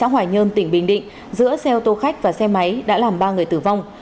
hòa nhơn tỉnh bình định giữa xe ô tô khách và xe máy đã làm ba người tử vong